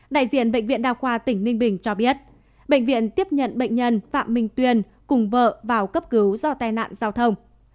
đại diện bệnh viện đa khoa tỉnh ninh bình cho biết bệnh viện tiếp nhận bệnh nhân phạm minh tuyên cùng vợ vào cấp cứu do tai nạn giao thông